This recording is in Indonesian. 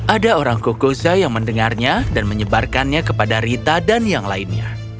ada orang kokoza yang mendengarnya dan menyebarkannya kepada rita dan yang lainnya